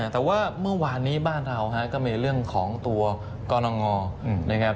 แต่ว่าเมื่อวานนี้บ้านเราก็มีเรื่องของตัวกรณงนะครับ